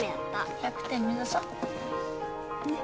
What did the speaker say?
１００点目指そねっ